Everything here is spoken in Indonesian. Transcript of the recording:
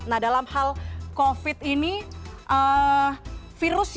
nah dalam hal covid ini virus